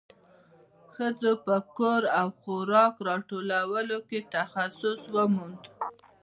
ښځو په کور او خوراک راټولولو کې تخصص وموند.